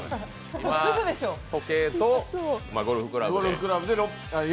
今、時計とゴルフクラブで。